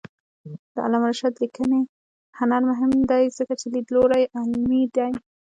د علامه رشاد لیکنی هنر مهم دی ځکه چې لیدلوری علمي دی.